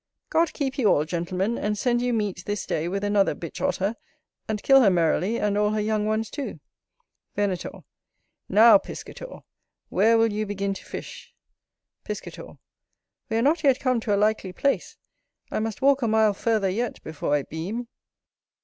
God keep you all, Gentlemen; and send you meet, this day, with another Bitch otter, and kill her merrily, and all her young ones too. Venator. NOW, Piscator, where will you begin to fish? Piscator. We are not yet come to a likely place; I must walk a mile further yet before I beam.